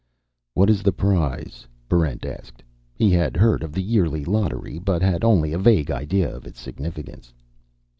"What is the prize?" Barrent asked. He had heard of the yearly Lottery, but had only a vague idea of its significance.